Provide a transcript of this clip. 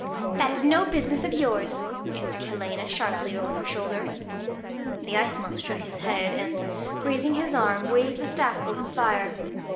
'That is no business of yours,' answered Helena, sharply, over her shoulder. The Ice Month shook his head, and, raising his arm, waved the staff over the fire.